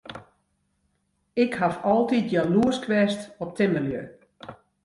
Ik haw altyd jaloersk west op timmerlju.